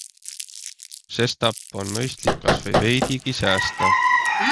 Sestap on mõistlik kasvõi veidigi säästa.